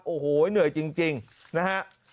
โอ้โหเหนื่อยจริงนะฮะ